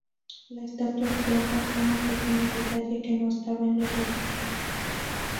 La estatua cuenta con un pequeño detalle que no estaba en los originales.